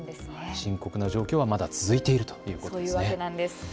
深刻な状況はまだ続いているということなんですね。